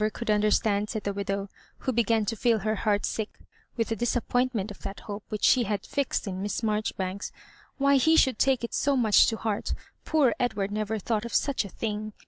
could understand," said the widow, who began to feel her heart sick with the disap pointment of that hope which she had fixed in Miss Marjoribanks, " why he should take it so much to heart. Poor Edward never thought of such a thing!